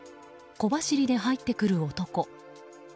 小走りで入ってくる男。